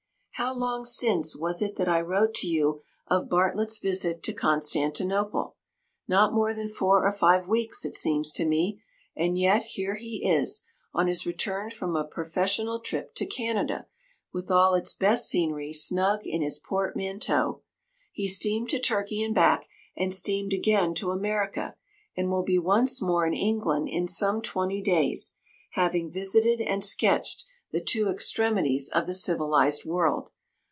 "How long since was it that I wrote to you of Bartlett's visit to Constantinople? Not more than four or five weeks, it seems to me; and yet here he is, on his return from a professional trip to Canada, with all its best scenery snug in his portmanteau! He steamed to Turkey and back, and steamed again to America, and will be once more in England in some twenty days—having visited and sketched the two extremities of the civilized world.